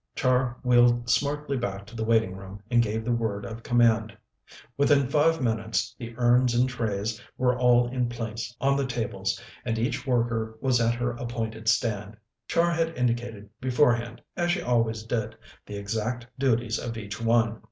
Char wheeled smartly back to the waiting room and gave the word of command. Within five minutes the urns and trays were all in place on the tables, and each worker was at her appointed stand. Char had indicated beforehand, as she always did, the exact duties of each one.